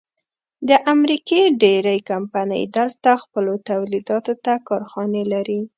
د امریکې ډېرۍ کمپنۍ دلته خپلو تولیداتو ته کارخانې لري.